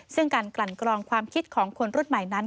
ซึ่งการกลั่นกรองความคิดของคนรุ่นใหม่นั้น